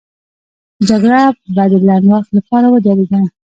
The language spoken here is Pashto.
جګړه به د لنډ وخت لپاره ودرېده.